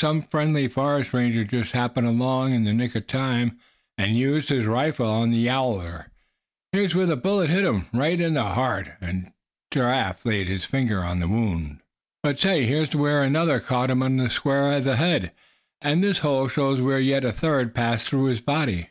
Some friendly forest ranger just happened along in the nick of time, and used his rifle on the yowler. Here's where the bullet hit him, right in the heart," and Giraffe laid his finger on the wound. "But say, here's where another caught him on the square head, and this hole shows where yet a third passed through his body.